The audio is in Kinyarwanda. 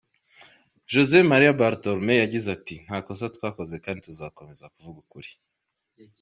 Josep Maria Bartomeu yagize ati: “ Nta kosa twakoze kandi tuzakomeza kuvuga ukuri.